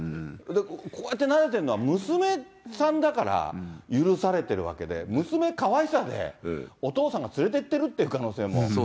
こうやってなでてるのは、娘さんだから許されてるわけで、娘かわいさでお父さんが連れてってるって可能性も。